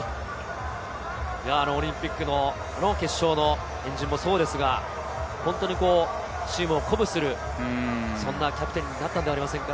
オリンピックの決勝の円陣もそうですが、チームを鼓舞する、そんなキャプテンになったのではありませんか？